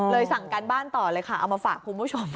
สั่งการบ้านต่อเลยค่ะเอามาฝากคุณผู้ชม